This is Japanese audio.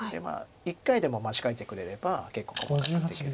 １回でも間違えてくれれば結構細かくできる。